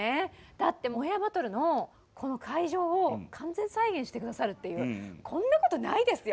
だって「オンエアバトル」のこの会場を完全再現して下さるっていうこんなことないですよ。